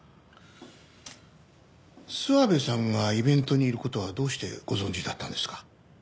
諏訪部さんがイベントにいる事はどうしてご存じだったんですか？